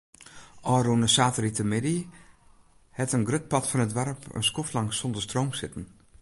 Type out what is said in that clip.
Ofrûne saterdeitemiddei hat in grut part fan it doarp in skoftlang sonder stroom sitten.